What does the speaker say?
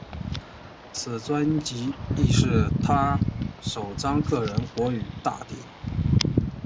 此专辑亦是他首张个人国语大碟。